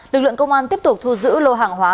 lực lượng công an tiếp tục thu giữ lô hàng hóa